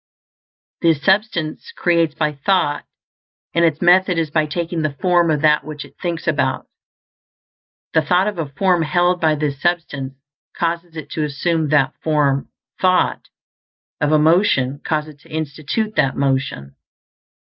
This Substance creates by thought, and its method is by taking the form of that which it thinks about. The thought of a form held by this substance causes it to assume that form; the thought of a motion causes it to institute that motion.